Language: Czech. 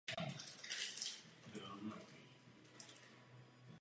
Palivová nádrž byla umístěna ve střední části mezi křídlem.